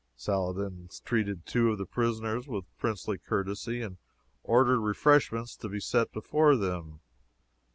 Saladin treated two of the prisoners with princely courtesy, and ordered refreshments to be set before them.